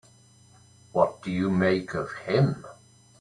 What do you make of him?